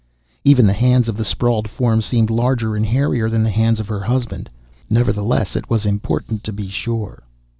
Even the hands of the sprawled form seemed larger and hairier than the hands of her husband. Nevertheless it was important to be sure